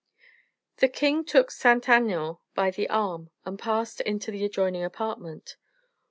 The king took Saint Aignan by the arm, and passed into the adjoining apartment.